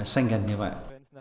xanh gân như vậy